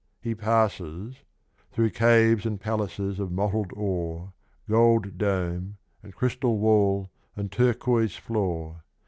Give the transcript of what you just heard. He passes — Through caves and palaces of mottled ore, Gold dome, and crystal wall and turquois floor.